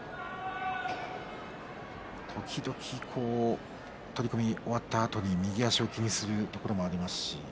時々、取組が終わったあとに右足を気にすることもありますし。